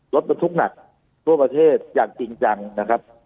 รถบรรทุกหนักทั่วประเทศอย่างจริงจังนะครับ